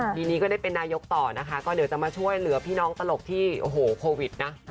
ทีนี้ก็ได้เป็นนายกต่อนะคะก็เดี๋ยวจะมาช่วยเหลือพี่น้องตลกที่โอ้โหโควิดนะ